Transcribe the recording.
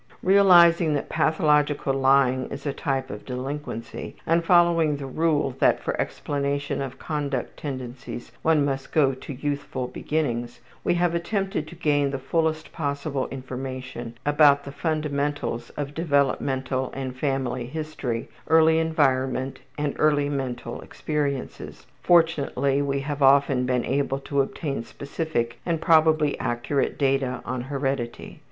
loc. cit. Realizing that pathological lying is a type of delinquency, and following the rule that for explanation of conduct tendencies one must go to youthful beginnings, we have attempted to gain the fullest possible information about the fundamentals of developmental and family history, early environment, and early mental experiences. Fortunately we have often been able to obtain specific and probably accurate data on heredity.